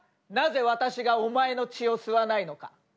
なぜ私がお前の血を吸わないのか。